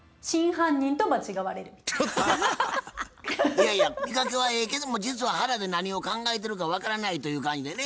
いやいや見かけはええけども実は腹で何を考えてるか分からないという感じでね